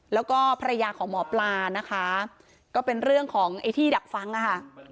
แล้วก็ภรรยาของหมอปลานะคะก็เป็นเรื่องของไอ้ที่ดักฟังนะคะ